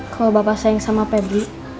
kalau bapak sayang sama pebri